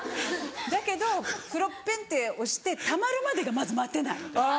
だけど風呂ペンって押してたまるまでがまず待てない。